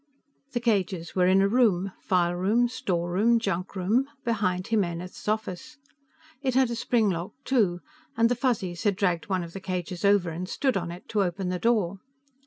The cages were in a room file room, storeroom, junk room behind Jimenez's office. It had a spring lock, too, and the Fuzzies had dragged one of the cages over and stood on it to open the door.